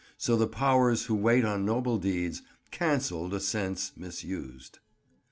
So the powers who wait On noble deeds, cancell'd a sense misus'd."